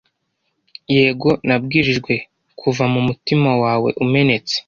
Yego… Nabwirijwe kuva mu mutima wawe umenetse;